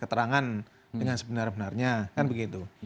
keterangan dengan sebenar benarnya kan begitu